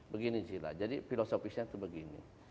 begini cila jadi filosofisnya itu begini